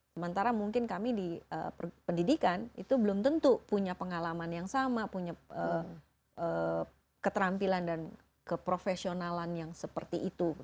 sementara mungkin kami di pendidikan itu belum tentu punya pengalaman yang sama punya keterampilan dan keprofesionalan yang seperti itu